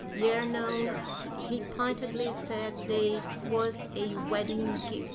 Yer know he pintedly said dey wuz a weddin' gif'."